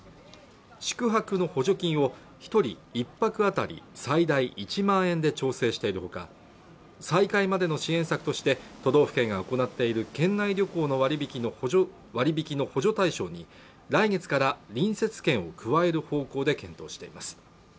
宿泊の補助金を一人１泊当たり最大１万円で調整しているほか再開までの支援策として都道府県が行っている県内旅行の割引の補助割引の補助対象に来月から隣接県を加える方向で検討しています